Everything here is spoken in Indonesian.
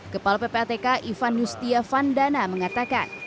kepala ppatk ivan yustia vandana mengatakan